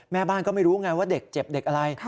แม่บ้านก็ไม่รู้ไงว่าเด็กเจ็บเด็กอะไร